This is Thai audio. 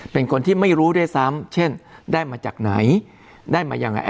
เป็นคนที่ไม่รู้ด้วยซ้ำเช่นได้มาจากไหนได้มายังไง